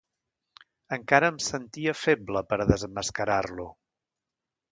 Encara em sentia feble per a desemmascarar-lo.